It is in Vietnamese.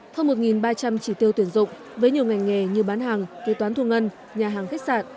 hơn một ba trăm linh chỉ tiêu tuyển dụng với nhiều ngành nghề như bán hàng kế toán thu ngân nhà hàng khách sạn